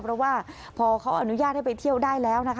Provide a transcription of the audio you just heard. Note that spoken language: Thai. เพราะว่าพอเขาอนุญาตให้ไปเที่ยวได้แล้วนะคะ